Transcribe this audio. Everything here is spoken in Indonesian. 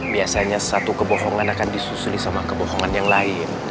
biasanya satu kebohongan akan disusuli sama kebohongan yang lain